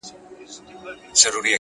چي صوفي موږک ایله کړ په میدان کي،